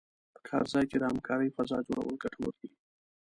په کار ځای کې د همکارۍ فضا جوړول ګټور دي.